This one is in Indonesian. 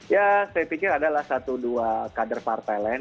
ya saya pikir adalah satu dua kader partai lain